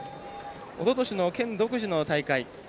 おととしの県独自の大会